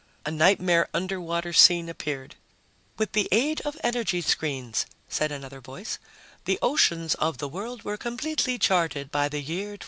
A nightmare underwater scene appeared. "With the aid of energy screens," said another voice, "the oceans of the world were completely charted by the year 2027...."